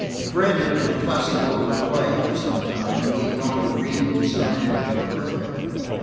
Fred had been fussing over a play for some time, and he had gone to read it to some manager or other.